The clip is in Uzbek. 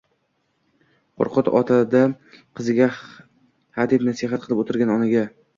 “Qo‘rqut Ota”da qiziga hadeb nasihat qilib o‘tirgan onaga